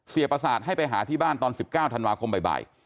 ประสาทให้ไปหาที่บ้านตอน๑๙ธันวาคมบ่าย